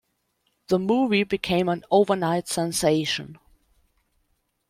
The movie became an "overnight sensation".